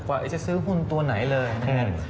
ว่าจะซื้อหุ้นตัวไหนเลยนะครับ